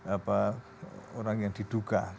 apa orang yang diduka